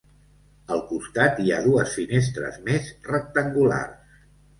Al costat hi ha dues finestres més rectangulars.